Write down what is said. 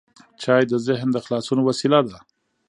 چای د ذهن د خلاصون وسیله ده.